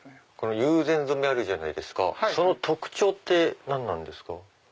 友禅染あるじゃないですかその特徴って何なんですか？